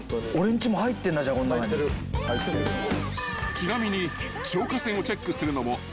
［ちなみに］